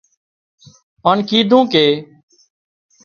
هانَ ڪيڌون ڪي